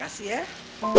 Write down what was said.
masih ada yang mau ngomong